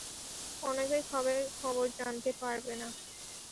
অনেকেই খবর জানতে পারবে না।